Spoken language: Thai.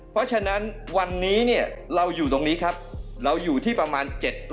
เพราะฉะนั้นวันนี้เนี่ยเราอยู่ตรงนี้ครับเราอยู่ที่ประมาณ๗๐๐